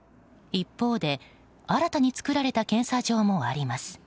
一方で新たに作られた検査場もあります。